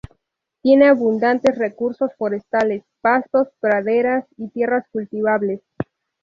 Tiene abundantes recursos forestales, pastos, praderas y tierras cultivables.